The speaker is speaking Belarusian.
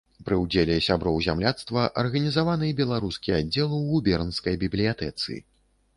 Пры ўдзеле сяброў зямляцтва арганізаваны беларускі аддзел у губернскай бібліятэцы.